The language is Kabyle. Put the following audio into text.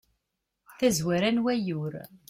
tazwara n wayyur